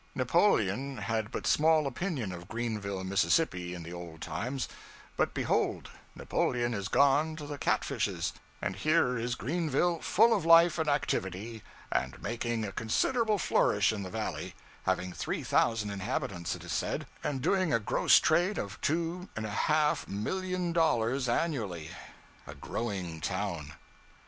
Napoleon had but small opinion of Greenville, Mississippi, in the old times; but behold, Napoleon is gone to the cat fishes, and here is Greenville full of life and activity, and making a considerable flourish in the Valley; having three thousand inhabitants, it is said, and doing a gross trade of $2,500,000 annually. A growing town.